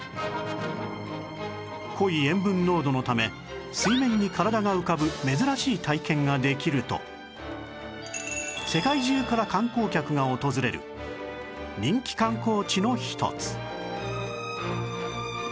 濃い塩分濃度のため水面に体が浮かぶ珍しい体験ができると世界中から観光客が訪れる人気観光地の一つ